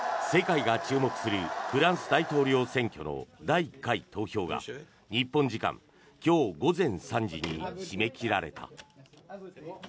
世界が注目するフランス大統領選挙の第１回投票が日本時間今日午前３時に締め切られた。